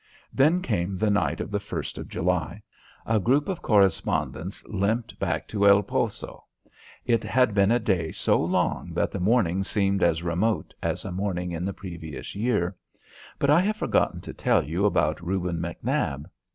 Then came the night of the first of July. A group of correspondents limped back to El Poso. It had been a day so long that the morning seemed as remote as a morning in the previous year. But I have forgotten to tell you about Reuben McNab.